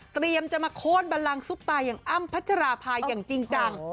เตรียมจะมาโค้นบันลังซุปตาอย่างอ้ำพัชราภาอย่างจริงจัง